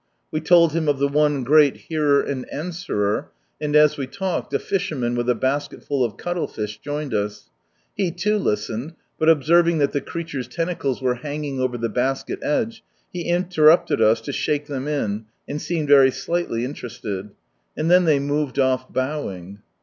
We told him of the one great Heater and Answerer, and as we talked a fisherman with a basketful of cuttle fish joined us. He too listened, but observing that the creatures' tentacles were hanging over the basket edge, he interrupted us to shake them in, and seemed very slightly interested. And then they moved off, bowing.